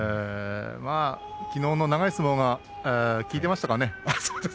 きのうの長い相撲が効いてましたかね。